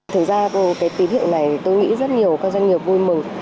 thực ra cái tín hiệu này tôi nghĩ rất nhiều các doanh nghiệp vui mừng